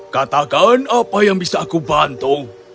katakan apa yang bisa aku bantu